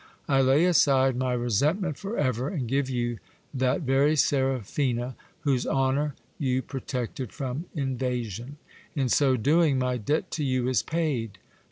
I lay aside my resentment for ever, and give you that very Seraphina whose honour you protected from invasion. In so doing, my debt to you is paid.